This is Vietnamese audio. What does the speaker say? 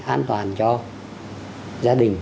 an toàn cho gia đình